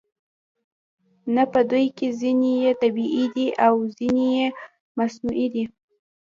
نه په دوی کې ځینې یې طبیعي دي او ځینې یې مصنوعي دي